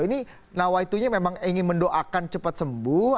ini nawaitunya memang ingin mendoakan cepat sembuh